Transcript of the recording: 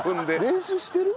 練習してる？